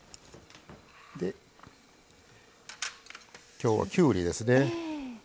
きょうは、きゅうりですね。